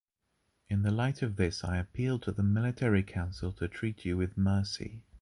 In the light of this I appealed to the Military Council to treat you with mercy.